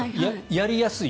やりやすい？